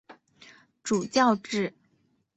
主教制。